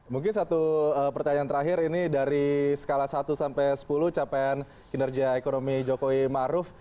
mungkin satu pertanyaan terakhir ini dari skala satu sampai sepuluh capaian kinerja ekonomi jokowi maruf